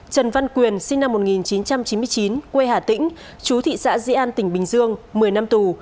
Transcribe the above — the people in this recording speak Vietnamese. trần văn quyền sinh năm một nghìn chín trăm chín mươi chín quê hà tĩnh chú thị xã di an tỉnh bình dương một mươi năm tù